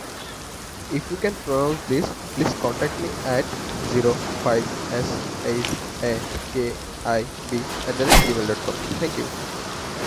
কুন-দ্গা'-র্গ্যাল-ম্ত্শান-দ্পাল-ব্জাং-পো পঞ্চম সা-স্ক্যা-খ্রি-'দ্জিন গ্রাগ্স-পা-র্গ্যাল-ম্ত্শানের প্রধান শিষ্য ছিলেন।